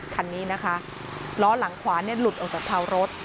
คันนี้นะคะล้อหลังขวาหลุดออกจากคาวรถ